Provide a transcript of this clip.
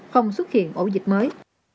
không xuất hiện ổ dịch mới